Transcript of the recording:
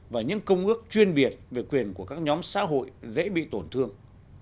và những công ước chuyên biệt về quyền của các nhóm xã hội dễ bị tổn thương